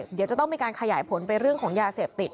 เดี๋ยวจะต้องมีการขยายผลไปเรื่องของยาเสพติด